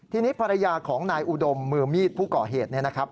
ทีนี้ภรรยาของนายอุดมมือมีดผู้ก่อเหตุเนี่ยนะครับ